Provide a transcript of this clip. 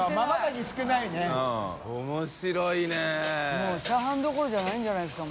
もうチャーハンどころじゃないんじゃないですか？